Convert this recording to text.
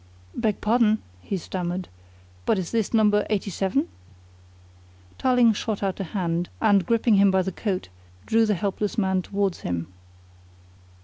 "Beg pardon," he stammered, "but is this No. 87?" Tarling shot out a hand, and gripping him by the coat, drew the helpless man towards him.